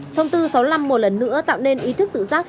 thông tư sáu mươi năm một lần nữa tạo nên ý thức tự giác